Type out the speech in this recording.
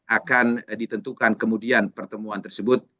akan ditentukan kemudian pertemuan tersebut